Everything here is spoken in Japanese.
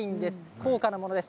高価なものです。